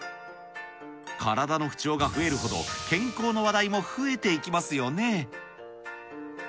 体の不調が増えるほど、健康の話題も増えていきますよね。